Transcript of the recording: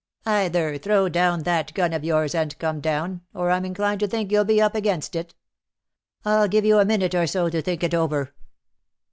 Either throw down that gun of yours, and come down, or I'm inclined to think you'll be up against it. I'll give you a minute or so to think it over."